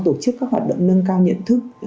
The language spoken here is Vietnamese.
tổ chức các hoạt động nâng cao nhận thức